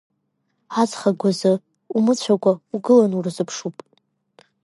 Аҵх агәазы, умыцәакәа, угылан урзыԥшуп.